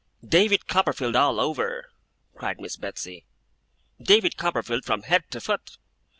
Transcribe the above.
'David Copperfield all over!' cried Miss Betsey. 'David Copperfield from head to foot!